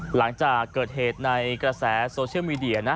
หลังจากเกิดเหตุในกระแสโซเชียลมีเดียนะ